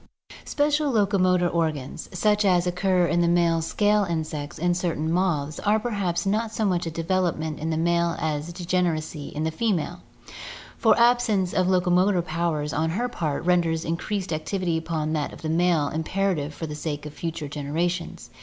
Special locomotor organs, such as occur in the male scale insects and certain moths, are perhaps not so much a development in the male as degeneracy in the female, for absence of locomotive powers on her part renders increased activity upon that of the male im perative for the sake of future generations.